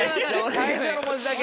最初の文字だけ！